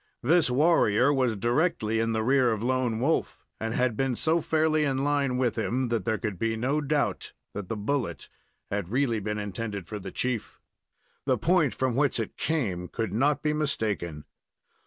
This warrior was directly in the rear of Lone Wolf, and had been so fairly in line with him that there could be no doubt that the bullet had really been intended for the chief. The point from whence it came could not be mistaken.